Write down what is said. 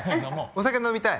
お酒飲みたい？